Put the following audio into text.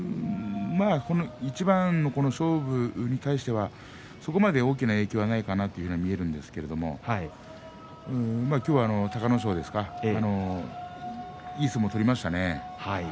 勝負に対してはそこまで大きな影響はないかなというふうに見えるんですが今日は隆の勝いい相撲を取りましたね。